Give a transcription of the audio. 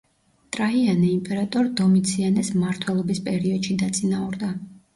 ტრაიანე იმპერატორ დომიციანეს მმართველობის პერიოდში დაწინაურდა.